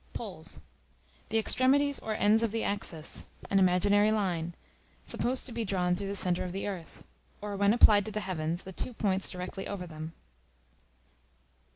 Poles, the extremities or ends of the axis, an imaginary line, supposed to be drawn through the centre of the earth; or when applied to the heavens, the two points directly over them.